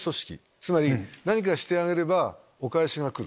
つまり何かしてあげればお返しが来る。